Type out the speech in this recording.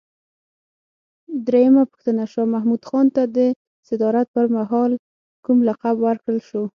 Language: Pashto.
درېمه پوښتنه: شاه محمود خان ته د صدارت پر مهال کوم لقب ورکړل شو؟